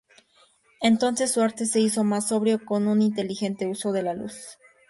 Entonces su arte se hizo más sobrio, con un inteligente uso de la luz.